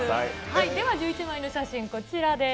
では１１枚の写真、こちらです。